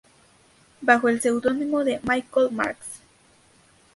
Bajo el seudónimo de Michael Marks.